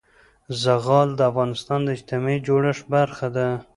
زغال د افغانستان د اجتماعي جوړښت برخه ده.